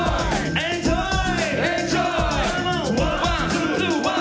エンジョイ！